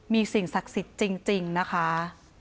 มีสิ่งศักดิ์สิทธิ์จริงนะคะ